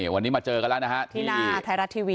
วันนี้มาเจอกันแล้วนะฮะ